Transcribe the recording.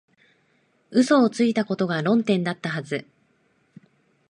嘘をついたことが論点だったはず